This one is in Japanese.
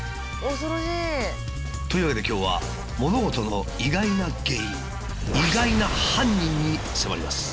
恐ろしい！というわけで今日は物事の意外な原因意外な犯人に迫ります。